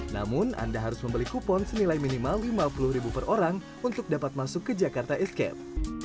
namun anda harus membeli kupon senilai minimal lima puluh ribu per orang untuk dapat masuk ke jakarta escape